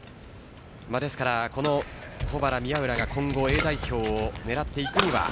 保原・宮浦が今後Ａ代表を狙っていくには？